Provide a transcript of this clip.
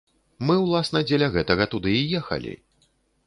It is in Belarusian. Мы, уласна, дзеля гэтага туды і ехалі.